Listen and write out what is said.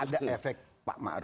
nah disini di bawah ekspektasi